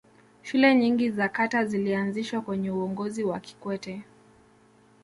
shule nyingi za kata zilianzishwa kwenye uongozi wa kikwete